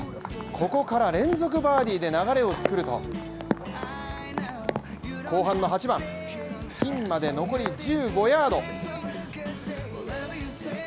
ここから連続バーティーで流れを作ると後半の８番、ピンまで残り１５ヤード。